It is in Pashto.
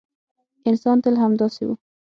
انسان تل همداسې و.